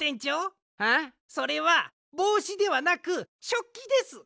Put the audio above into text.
それはぼうしではなくしょっきです！